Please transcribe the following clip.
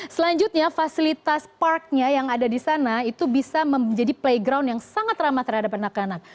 selanjutnya fasilitas parknya yang ada di sana itu bisa menjadi playground yang sangat ramah terhadap anak anak